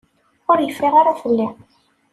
Ur yeffiɣ ara fell-i.